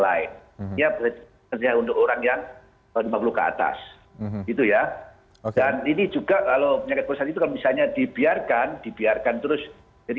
lain ya untuk orang yang lima puluh ke atas itu ya oke ini juga kalau misalnya dibiarkan dibiarkan terus jadi